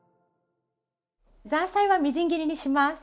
ザーサイはみじん切りにします。